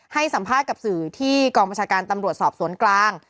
ให้สัมภาษณ์กับสื่อที่กองประชาการตำรวจสอบสวนกลาง